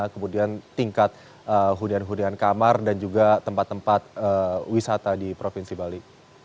kemudian tingkat hunian hunian kamar dan juga tempat tempat wisata di provinsi bali